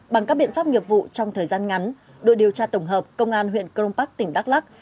bằng các biện pháp nghiệp vụ trong thời gian ngắn đội điều tra tổng hợp công an huyện crong park tỉnh đắk lắc